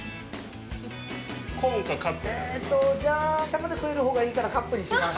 下まで食えるほうがいいからカップにします